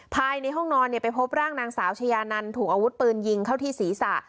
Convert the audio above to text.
ภายในห้องนอนไปพบร่างนางสาวชายานันถูกอาวุธปืนยิงเข้าที่ศีรษะ